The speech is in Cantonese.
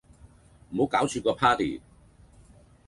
唔好搞串個 party